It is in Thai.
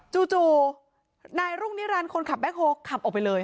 จู่หน้ารุ้งนิรรรณคนขับแบ็คโฮขับออกไปเลย